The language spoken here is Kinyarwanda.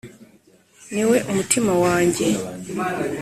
Ni we umutima wanjye